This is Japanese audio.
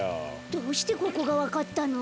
どうしてここがわかったの？